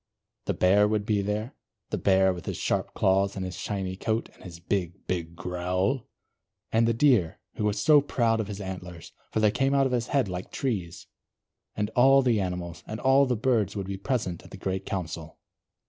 The Bear would be there, the Bear, with his sharp claws, and his shiny coat, and his big, big growl; and the Deer, who was so proud of his antlers, for they came out of his head like trees; and all the animals, and all the birds would be present at the great Council.